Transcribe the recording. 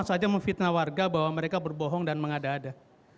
bisa saja memfitnah warga bahwa mereka berbohong dan mengada ada